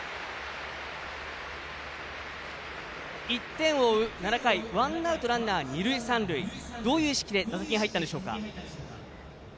１点を追う７回ワンアウトランナー、二塁三塁どういう意識で打席に入ったんでしょうか？